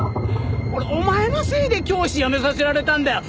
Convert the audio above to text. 俺お前のせいで教師辞めさせられたんだよ。